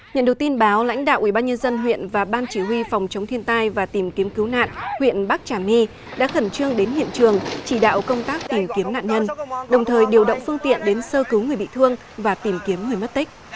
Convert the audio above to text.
nhận được tin báo lãnh đạo ubnd huyện và ban chỉ huy phòng chống thiên tai và tìm kiếm cứu nạn huyện bắc trà my đã khẩn trương đến hiện trường chỉ đạo công tác tìm kiếm nạn nhân đồng thời điều động phương tiện đến sơ cứu người bị thương và tìm kiếm người mất tích